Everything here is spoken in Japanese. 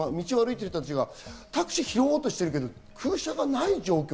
道を歩いている人たちはタクシーと拾おうとしてるけど、空車がない状況。